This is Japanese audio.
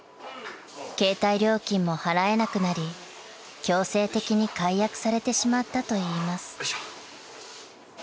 ［携帯料金も払えなくなり強制的に解約されてしまったといいます］